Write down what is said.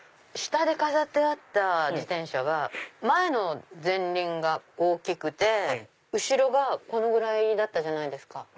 下で飾ってあった自転車は前輪が大きくて後ろがこのぐらいだったじゃないですか。